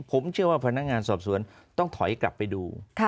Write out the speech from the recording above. ผมเชื่อว่าพนักงานสอบสวนต้องถอยกลับไปดู